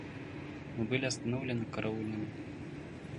Мы были остановлены караульными.